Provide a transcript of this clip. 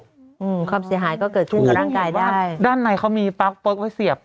อืมความเสียหายก็เกิดขึ้นกับร่างกายได้ใช่ด้านในเขามีปั๊กเปิ๊กไว้เสียบ